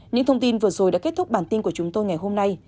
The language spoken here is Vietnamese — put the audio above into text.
những thông tin vừa rồi đã kết thúc bản tin của chúng tôi ngày hôm nay